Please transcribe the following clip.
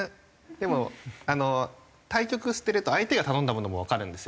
でも対局してると相手が頼んだものもわかるんですよ。